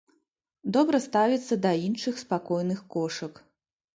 Добра ставіцца да іншых спакойных кошак.